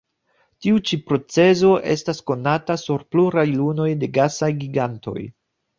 Tiu ĉi procezo estas konata sur pluraj lunoj de gasaj gigantoj.